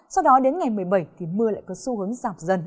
sau đó đến ngày một mươi bảy thì mưa lại có xu hướng giảm dần